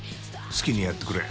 好きにやってくれ。